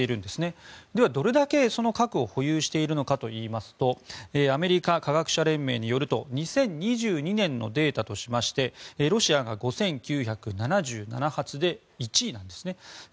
では、どれだけ核を保有しているのかといいますとアメリカ科学者連盟によると２０２２年のデータとしましてロシアが５９７７発で１位なんですね。